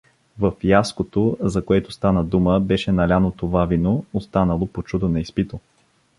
Във „фияското“, за което стана дума беше наляно това вино, останало по чудо неизпито.